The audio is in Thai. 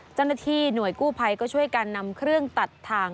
เจ้าหน้าที่หน่วยกู้ภัยก็ช่วยกันนำเครื่องตัดทาง